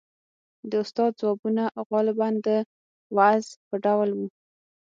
• د استاد ځوابونه غالباً د وعظ په ډول وو.